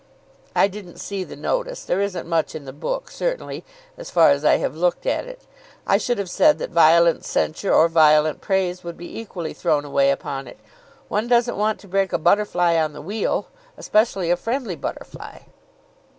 "I didn't see the notice. There isn't much in the book, certainly, as far as I have looked at it. I should have said that violent censure or violent praise would be equally thrown away upon it. One doesn't want to break a butterfly on the wheel; especially a friendly butterfly."